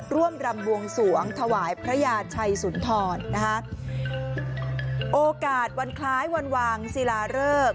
รำบวงสวงถวายพระยาชัยสุนทรนะคะโอกาสวันคล้ายวันวางศิลาเริก